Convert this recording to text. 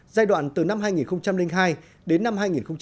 giai đoạn từ năm hai nghìn hai đến năm hai nghìn một mươi